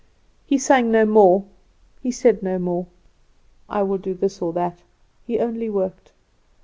He sang no more; he said no more, 'I will do this or that' he only worked.